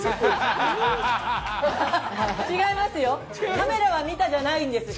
◆違いますよ。